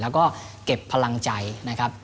แล้วก็เก็บพลังใจนะครับ